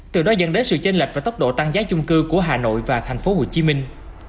từ đó dẫn đến sự chênh lệch và tốc độ tăng giá chung cư của hà nội và thành phố hồ chí minh